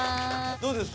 どうですか？